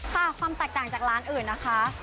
ความแตกต่างจากร้านอื่นนะคะ